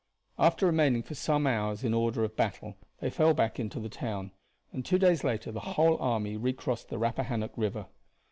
After remaining for some hours in order of battle they fell back into the town and two days later the whole army recrossed the Rappahannock River.